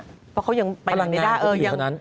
เพราะเขายังไปอยู่ตรงนั้นพลังงานเขาอยู่ตรงนั้น